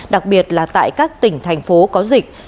đặc biệt là tại các tỉnh thành phố có dịch